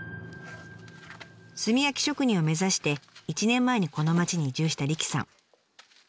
炭焼き職人を目指して１年前にこの町に移住した理妃さん。